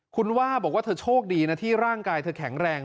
คุณว่าบอกว่าเธอโชคดีนะที่ร่างกายเธอแข็งแรง